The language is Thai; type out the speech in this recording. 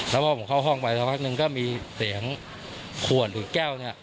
แล้วพอผมเข้าห้องไปสักพักหนึ่งก็มีเสียงขวนหรือแก้วเนี่ย